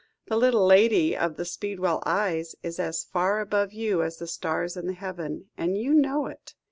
The little lady of the speedwell eyes, is as far above you as the stars in heaven, and you know it.